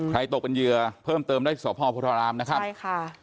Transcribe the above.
ใครตกเป็นเยือเพิ่มเติมได้ที่สพพรรมนะครับใช่ค่ะ